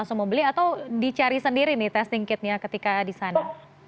langsung membeli atau dicari sendiri nih testing kitnya ketika di sana